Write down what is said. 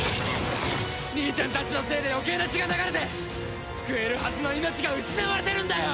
兄ちゃんたちのせいで余計な血が流れて救えるはずの命が失われてるんだよ！